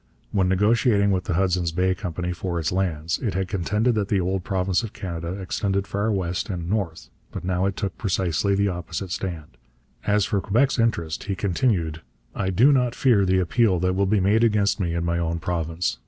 When negotiating with the Hudson's Bay Company for its lands, it had contended that the old province of Canada extended far west and north, but now it took precisely the opposite stand. As for Quebec's interest, he continued: 'I do not fear the appeal that will be made against me in my own province.